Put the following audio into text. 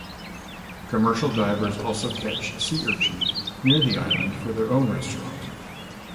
Commercial divers also catch sea urchin near the island for their own restaurant.